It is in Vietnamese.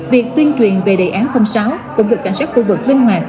việc tuyên truyền về đề án sáu cũng được cảnh sát khu vực linh hoạt